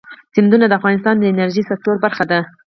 سیندونه د افغانستان د انرژۍ سکتور برخه ده.